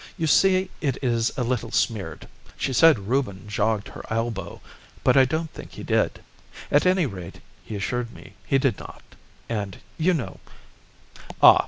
You see it is a little smeared she said Reuben jogged her elbow, but I don't think he did; at any rate he assured me he did not, and, you know " "Ah!